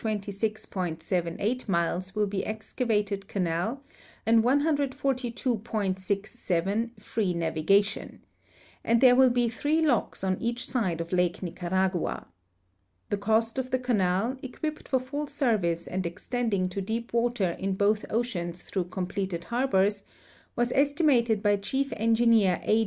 78 miles will be excavated canal and 142.67 free navigation, and there will be three locks on each side of Lake Nicaragua. The cost of the canal, equipped for full service and extending to deep water in both oceans through completed harbors, was esti mated by Chief Engineer A.